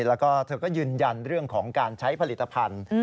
แล้วก็เธอก็ยืนยันเรื่องของการใช้ผลิตภัณฑ์